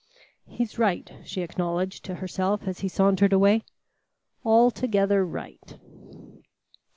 "He's right," she acknowledged to herself, as he sauntered away; "altogether right."